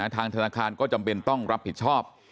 ทางธนาคารก็จำเป็นต้องรับผิดชอบ